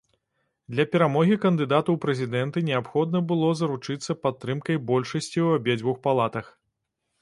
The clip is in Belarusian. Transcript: Для перамогі кандыдату ў прэзідэнты неабходна было заручыцца падтрымкай большасці ў абедзвюх палатах.